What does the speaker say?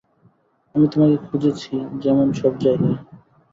আমি তোমাকে খুঁজেছি যেমন সব জায়গায়!